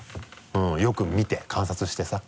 うんよく見て観察してさ。